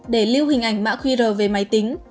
để lưu hình ảnh mã qr về máy tính